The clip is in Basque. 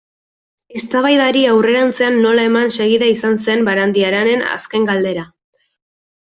Eztabaidari aurrerantzean nola eman segida izan zen Barandiaranen azken galdera.